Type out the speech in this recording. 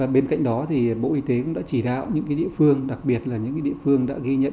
bên cạnh đó bộ y tế cũng đã chỉ đạo những địa phương đặc biệt là những địa phương đã ghi nhận